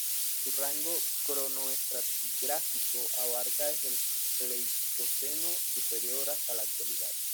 Su rango cronoestratigráfico abarca desde el Pleistoceno superior hasta la Actualidad.